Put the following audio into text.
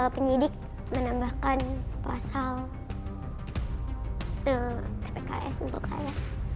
penyidik menambahkan pasal tpks untuk saya